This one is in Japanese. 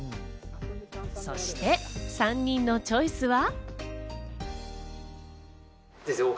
そして３人のチョイスは。